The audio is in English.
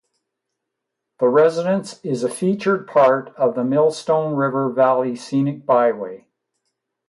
The residence is a featured part of the Millstone River Valley Scenic Byway.